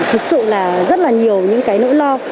thực sự là rất là nhiều những nỗi lo